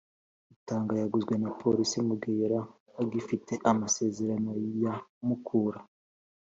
rutanga yaguzwe na polise mu gihe yari agifite amasezerano ya mukura